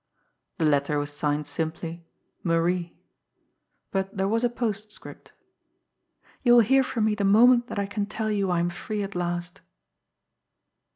The letter was signed simply "Marie." But there was a postscript: "You will hear from me the moment that I can tell you I am free at last."